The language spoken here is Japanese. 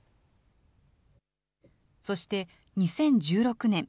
そして、２０１６年。